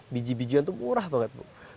biji bijian itu murah banget bu